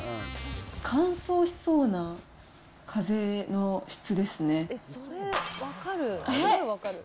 乾燥しそうな風の質ですね。